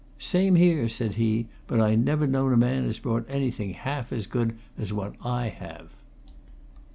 "Same here," said he; "but I never known a man as brought anything half as good as what I have."